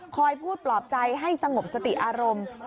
พูดปลอบใจให้สงบสติอารมณ์